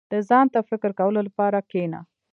• د ځان ته فکر کولو لپاره کښېنه.